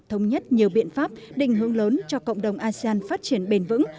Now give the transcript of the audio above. thống nhất nhiều biện pháp định hướng lớn cho cộng đồng asean phát triển bền vững